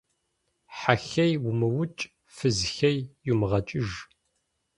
Хьэ хей умыукӏ, фыз хей йумыгъэкӏыж.